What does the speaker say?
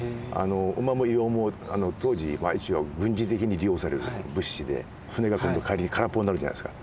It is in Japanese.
馬も硫黄も当時一応軍事的に利用される物資で船が今度帰りに空っぽになるじゃないですか。